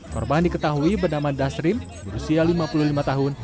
korban diketahui bernama dasrim berusia lima puluh lima tahun